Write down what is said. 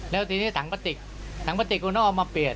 แล้วทีนี้ถังกระติกถังกระติกคุณต้องเอามาเปลี่ยน